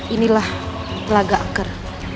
inilah lagak akar